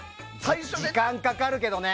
時間かかるけどね。